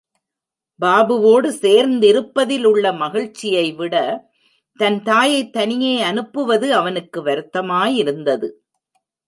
பாபுவோடு சேர்ந்திருப்பதில் உள்ள மகிழ்ச்சியை விட தன் தாயைத் தனியே அனுப்புவது அவனுக்கு வருத்தமாய் இருந்தது.